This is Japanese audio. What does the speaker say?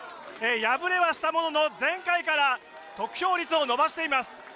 敗れはしたものの、前回から得票率を伸ばしています。